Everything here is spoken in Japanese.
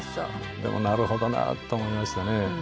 でもなるほどなと思いましたね。